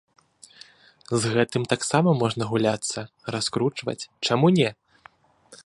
З гэтым таксама можна гуляцца, раскручваць, чаму не?